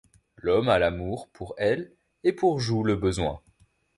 L’homme a l’amour pour aile, et pour joug le besoin.